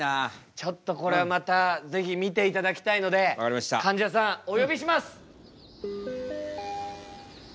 ちょっとこれはまた是非見ていただきたいのでかんじゃさんお呼びします。